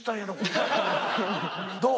どう？